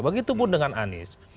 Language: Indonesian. begitupun dengan anies